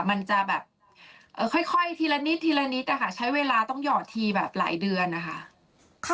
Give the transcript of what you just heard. มันจะแบบค่อยทีละนิดใช้เวลาต้องหยอดทีแบบหลายเดือนนะคะ